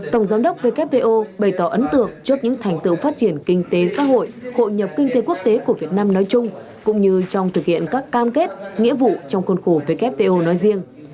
tổng giám đốc wto bày tỏ ấn tượng trước những thành tựu phát triển kinh tế xã hội hội nhập kinh tế quốc tế của việt nam nói chung cũng như trong thực hiện các cam kết nghĩa vụ trong khuôn khổ wto nói riêng